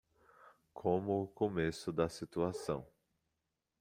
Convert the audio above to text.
Como o começo da situação